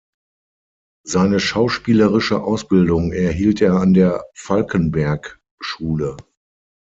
Seine schauspielerische Ausbildung erhielt er an der Falckenberg-Schule.